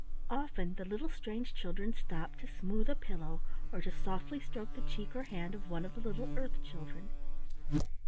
Often the little strange children stopped to smooth a pillow or to softly stroke the cheek or hand of one of the little earth children.